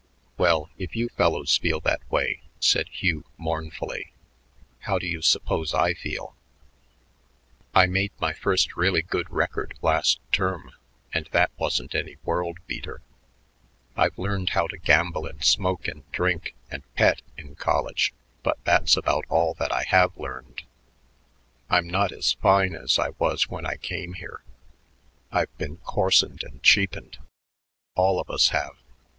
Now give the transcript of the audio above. '" "Well, if you fellows feel that way," said Hugh mournfully, "how do you suppose I feel? I made my first really good record last term, and that wasn't any world beater. I've learned how to gamble and smoke and drink and pet in college, but that's about all that I have learned. I'm not as fine as I was when I came here. I've been coarsened and cheapened; all of us have.